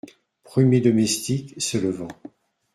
Premier domestique , se levant.